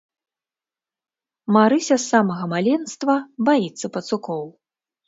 Марыся з самага маленства баіцца пацукоў.